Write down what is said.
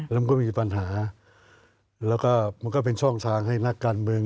แล้วมันก็มีปัญหาแล้วก็มันก็เป็นช่องทางให้นักการเมือง